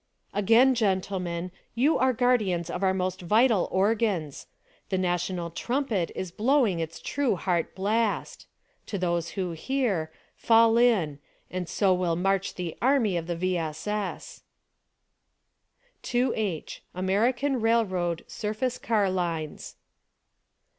Again, gentlemen: You are the guardians of our most vital organs! The national trumpet is blowing its true heart blast ! To those who hear : Fall in ! And so will march the army of the V. S. S. ! 2H. American — Railroad — Surface Car Lines.